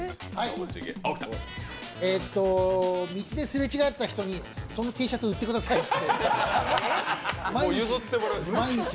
道ですれ違った人にそのＴシャツ譲ってくださいって。